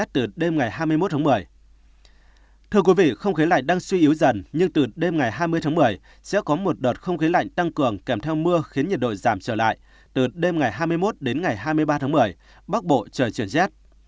thưa quý vị không khí lạnh đang suy yếu dần nhưng từ đêm ngày hai mươi tháng một mươi sẽ có một đợt không khí lạnh tăng cường kèm theo mưa khiến nhiệt độ giảm trở lại từ đêm ngày hai mươi một đến ngày hai mươi ba tháng một mươi bắc bộ trời chuyển rét